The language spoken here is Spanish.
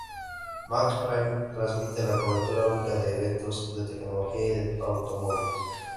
Max Prime transmite la cobertura única de eventos de tecnología y de automóviles.